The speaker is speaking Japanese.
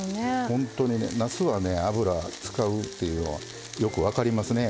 本当にねなすはね油使うっていうのはよく分かりますね。